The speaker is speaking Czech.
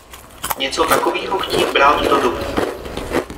Něco takovýho chtít brát do domu!